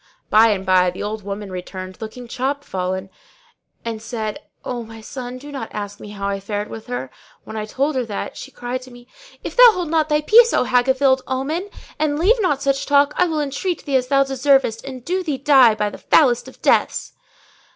By and by the old woman returned looking chopfallen,[FN#605] and said, "O my son, do not ask me how I fared with her! When I told her that, she cried at me, 'If thou hold not thy peace, O hag of ill omen, and leave not such talk, I will entreat thee as thou deservest and do thee die by the foulest of deaths.'